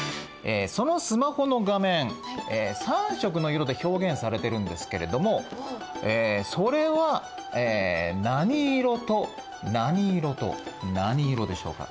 そのスマホの画面３色の色で表現されてるんですけれどもそれは何色と何色と何色でしょうか？